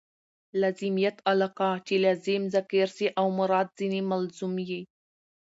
لازمیت علاقه؛ چي لازم ذکر سي او مراد ځني ملزوم يي.